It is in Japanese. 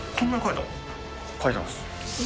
描いてます。